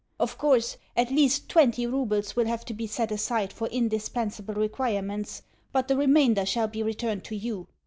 Of course, at least TWENTY roubles will have to be set aside for indispensable requirements, but the remainder shall be returned to you.